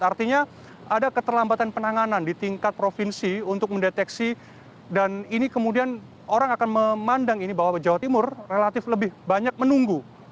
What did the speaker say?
artinya ada keterlambatan penanganan di tingkat provinsi untuk mendeteksi dan ini kemudian orang akan memandang ini bahwa jawa timur relatif lebih banyak menunggu